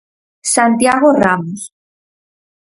Santiago Ramos.